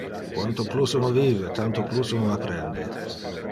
Quanto plus uno vive, tanto plus uno apprende.